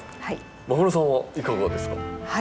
間室さんはいかがですか？